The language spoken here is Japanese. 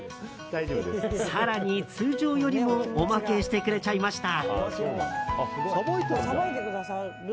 更に通常よりもおまけしてくれちゃいました。